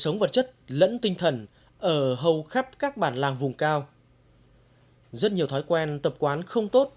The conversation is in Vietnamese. nói về tình hình ông ta có thể tự bán